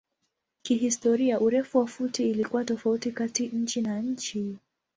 Kihistoria urefu wa futi ilikuwa tofauti kati nchi na nchi.